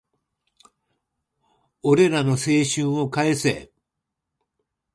俺らの青春を返せ